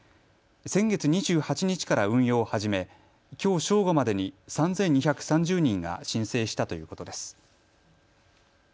先月２８日から運用を始めきょう正午までに３２３０人が申請したということです。